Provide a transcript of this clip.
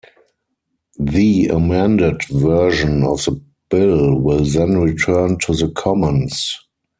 The amended version of the bill will then return to the Commons.